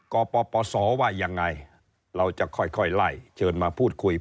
กปศว่ายังไงเราจะค่อยไล่เชิญมาพูดคุย